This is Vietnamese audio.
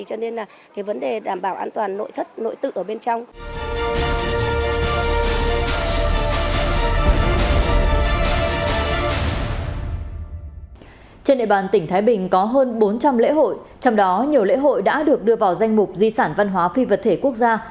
trong đó nhiều lễ hội đã được đưa vào danh mục di sản văn hóa phi vật thể quốc gia